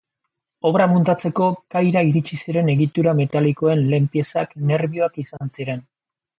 Obra muntatzeko kaira iritsi ziren egitura metalikoaren lehen piezak nerbioak izan ziren.